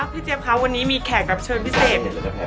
พี่เจฟค่ะวันนี้มีแขกรับชนพิเศษ